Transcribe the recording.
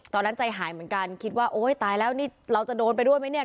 ตอนนั้นใจหายเหมือนกันคิดว่าโอ๊ยตายแล้วนี่เราจะโดนไปด้วยไหมเนี่ย